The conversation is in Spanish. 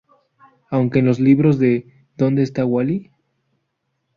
Aunque en los libros de "¿Dónde está Wally?